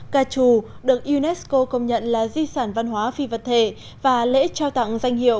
ca trù được unesco công nhận là di sản văn hóa phi vật thể và lễ trao tặng danh hiệu